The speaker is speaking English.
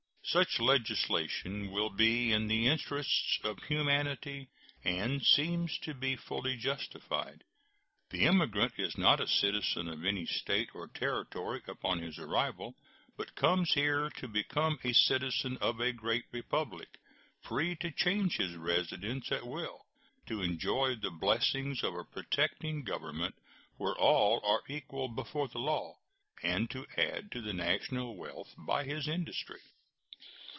Such legislation will be in the interests of humanity, and seems to be fully justifiable. The immigrant is not a citizen of any State or Territory upon his arrival, but comes here to become a citizen of a great Republic, free to change his residence at will, to enjoy the blessings of a protecting Government, where all are equal before the law, and to add to the national wealth by his industry.